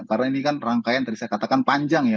karena ini kan perangkaian tadi saya katakan panjang ya